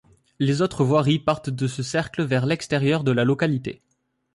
Les autres voiries partent de ce cercle vers l'extérieur de la localité.